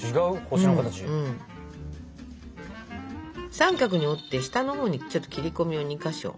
三角に折って下のほうにちょっと切り込みを２か所。